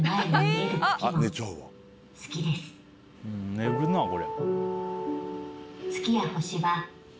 寝るなこれ。